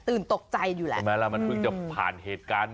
ตื่นตกใจอยู่แหละแม่แล้วมันเพิ่งจะผ่านเหตุการณ์